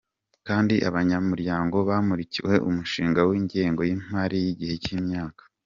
kandi abanyamuryango bamurikiwe umushinga w’ingengo y’imari y’igihe cy’imyaka